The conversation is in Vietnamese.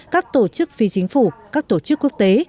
các tổ chức phi chính phủ các tổ chức quốc tế